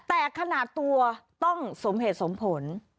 แต่ขนาดตัวต้องสมเหตุสมผล